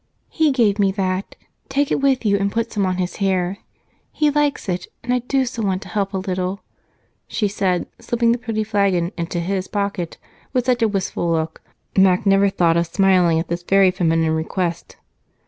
"He gave me that. Take it with you and put some on his hair. He likes it, and I do so want to help a little," she said, slipping the pretty flagon into his pocket with such a wistful look Mac never thought of smiling at this very feminine request.